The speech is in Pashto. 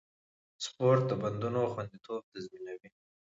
سپورت د بندونو خونديتوب تضمینوي.